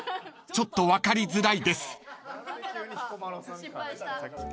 ［ちょっと分かりづらいです］